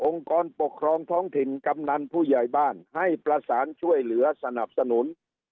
กรปกครองท้องถิ่นกำนันผู้ใหญ่บ้านให้ประสานช่วยเหลือสนับสนุน